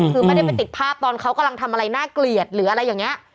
คือไม่ได้ไปติดภาพตอนเขากำลังทำอะไรน่าเกลียดหรืออะไรอย่างนี้